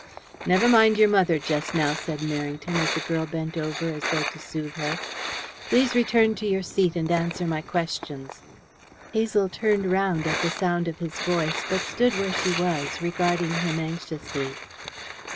"Never mind your mother just now," said Merrington, as the girl bent over as though to sooth her. "Please return to your seat and answer my questions." Hazel turned round at the sound of his voice, but stood where she was, regarding him anxiously.